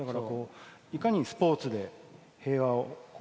いかにスポーツで平和を。